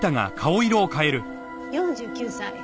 ４９歳。